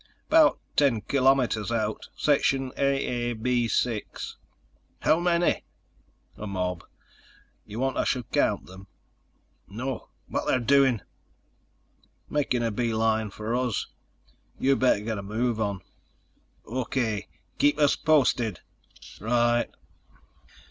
"About ten kilometers out. Section AAB 6." "How many?" "A mob. You want I should count them?" "No. What're they doing?" "Making a beeline for us. You better get a move on." "O.K. Keep us posted." "Right."